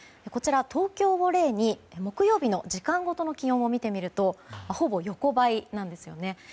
東京を例に木曜日の時間ごとの気温を見てみるとほぼ横ばいなんですよね。